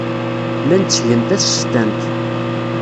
Llan ttgen tasestant.